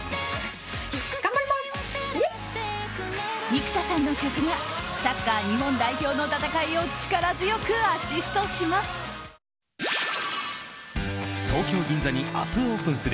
幾田さんの曲がサッカー日本代表の戦いを力強くアシストします。